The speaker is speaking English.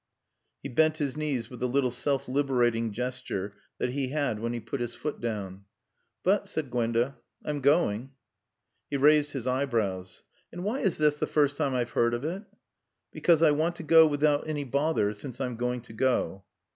He bent his knees with the little self liberating gesture that he had when he put his foot down. "But," said Gwenda, "I'm going." He raised his eyebrows. "And why is this the first time I've heard of it?" "Because I want to go without any bother, since I'm going to go."